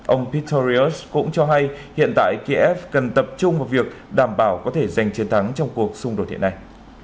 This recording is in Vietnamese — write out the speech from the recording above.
ông peterius cũng cho hay hiện tại kiev cần tập trung vào việc đảm bảo có thể giành chiến thắng trong cuộc xung đột hiện nay